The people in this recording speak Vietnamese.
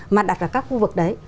mà đặt vào các khu vực đấy